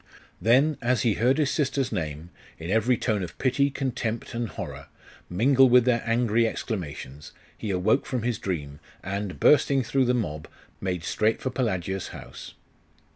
Then, as he heard his sister's name, in every tone of pity, contempt, and horror, mingle with their angry exclamations, he awoke from his dream, and, bursting through the mob, made straight for Pelagia's house.